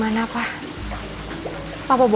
mandi di tempat cpu nya